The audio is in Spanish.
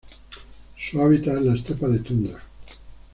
Su hábitat es la estepa de tundra.